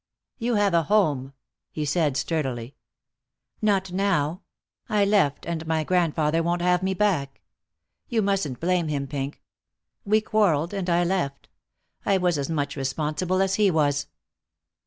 "You have a home," he said, sturdily. "Not now. I left, and my grandfather won't have me back. You mustn't blame him, Pink. We quarreled and I left. I was as much responsible as he was."